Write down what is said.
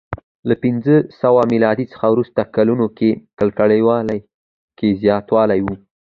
له پنځه سوه میلاد څخه وروسته کلونو کې ککړوالي کې زیاتوالی و